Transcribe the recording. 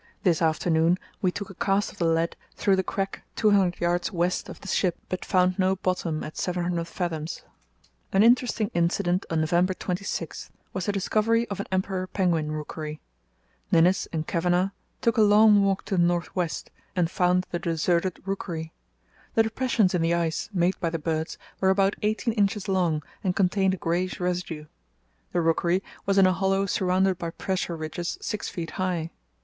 This afternoon we took a cast of the lead through the crack 200 yds. west of the ship, but found no bottom at 700 fathoms." An interesting incident on November 26 was the discovery of an emperor penguin rookery. Ninnis and Kavenagh took a long walk to the north west, and found the deserted rookery. The depressions in the ice, made by the birds, were about eighteen inches long and contained a greyish residue. The rookery was in a hollow surrounded by pressure ridges six feet high.